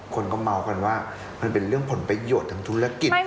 คนก็เมากันว่ามันเป็นเรื่องผลประโยชน์ทางธุรกิจ